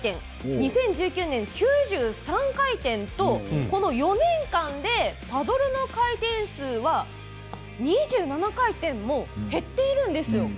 ２０１９年、９３回転とこの４年間でパドルの回転数は２７回転も、減っているんですよ。